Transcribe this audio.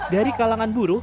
dari kalangan buruk